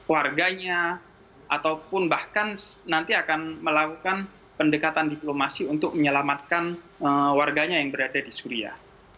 warganya ataupun bahkan nanti akan melakukan pendekatan diplomasi untuk menyelamatkan warganya yang berada di suriah